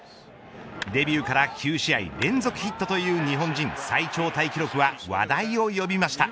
デビューから９試合連続ヒットという日本人最長タイ記録は話題を呼びました。